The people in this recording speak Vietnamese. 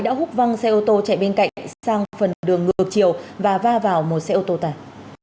đã hút văng xe ô tô chạy bên cạnh sang phần đường ngược chiều và va vào một xe ô tô tải